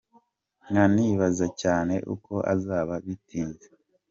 Nkanibaza cyane, uko azaba bitinze.